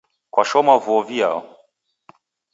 Kwashoma vuo viao?